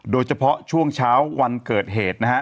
โดยเฉพาะช่วงเช้าวันเกิดเหตุนะฮะ